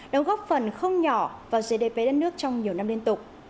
đóng góp phần không nhỏ vào gdp đất nước trong nhiều năm liên tục